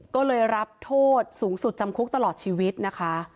ก็เลยรับโทษสูงสุดจำคุกตลอดชีวิตนะคะ